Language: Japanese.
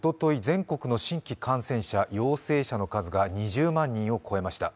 全国の新規感染者、陽性者の数が２０万人を超えました。